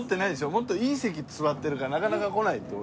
もっといい席座ってるからなかなか来ないって事。